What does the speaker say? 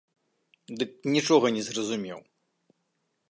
Дык нічога не зразумеў.